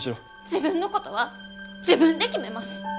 自分のことは自分で決めます！